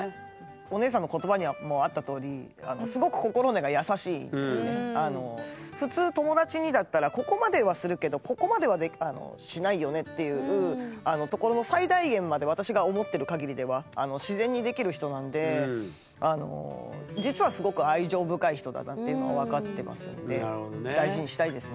お姉さんの言葉にもあったとおり普通友達にだったらここまではするけどここまではしないよねっていうところの最大限まで私が思ってるかぎりでは自然にできる人なのでっていうのが分かってますので大事にしたいですね。